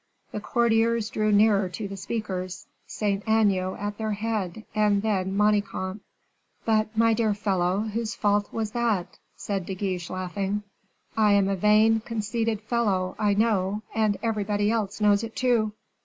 The courtiers drew nearer to the speakers, Saint Aignan at their head, and then Manicamp. "But, my dear fellow, whose fault was that?" said De Guiche, laughing. "I am a vain, conceited fellow, I know, and everybody else knows it too.